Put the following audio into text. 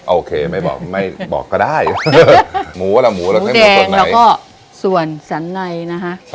โอเคไม่บอกบอกก็ได้หมูอะไรหมูแดงแล้วก็ส่วนสันในนะฮะ